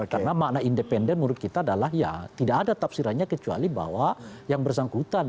karena makna independen menurut kita adalah ya tidak ada tafsirannya kecuali bahwa yang bersangkutan